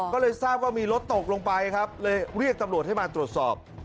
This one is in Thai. ก็เลยทราบว่ามีรถตกลงไปครับเลยเรียกตำรวจให้มาตรวจสอบ